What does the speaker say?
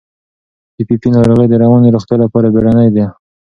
پي پي پي ناروغي د رواني روغتیا لپاره بیړنۍ ده.